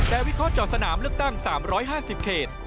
และวิเคราะห์สนามเลือกตั้ง๓๕๐เขต